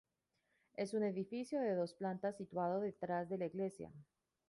Es un edificio de dos plantas situado detrás de la iglesia.